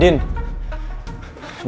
di mana tuh